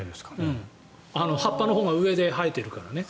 葉っぱのほうが上で生えているからね。